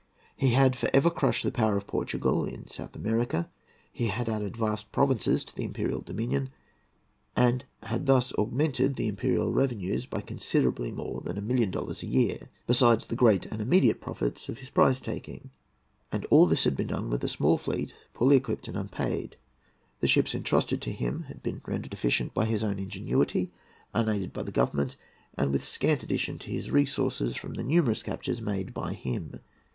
He had for ever crushed the power of Portugal in South America; he had added vast provinces to the imperial dominion, and had thus augmented the imperial revenues by considerably more than a million dollars a year, besides the great and immediate profits of his prize taking. And all this had been done with a small fleet, poorly equipped and unpaid. The ships entrusted to him had been rendered efficient by his own ingenuity, unaided by the Government, and with scant addition to his resources from the numerous captures made by him.